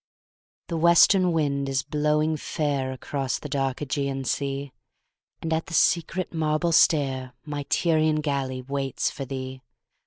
THE WESTERN wind is blowing fairAcross the dark Ægean sea, And at the secret marble stairMy Tyrian galley waits for thee.